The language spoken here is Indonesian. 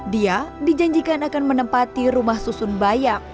dia dijanjikan akan menempati rumah susun bayam